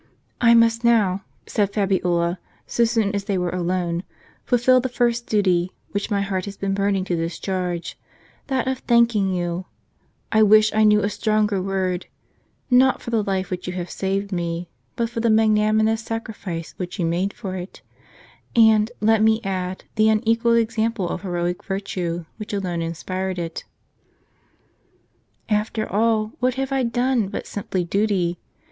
" I must now," said Fabiola, so soon as they were alone, "fulfill the first duty, which my heart has been burning to discharge, that of thanking you, — I wish I knew a stronger word, — not for the life which you have saved me, but for the magnanimous sacrifice which you made for it — and, let me add, the unequalled example of heroic virtue, which alone inspired it." " After all, what have I done, but simple duty?